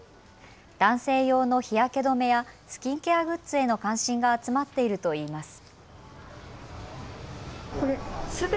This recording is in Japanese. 男性用の日焼け止めやスキンケアグッズへの関心が集まっているといいます。